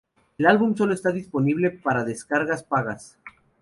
El album sólo está disponible para descargas pagas.